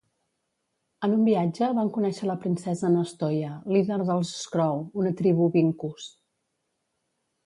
En un viatge, van conèixer la princesa Nastoya, líder dels Scrow, una tribu Vinkus.